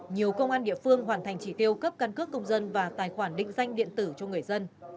nhiều công an địa phương hoàn thành chỉ tiêu cấp căn cước công dân và tài khoản định danh điện tử cho người dân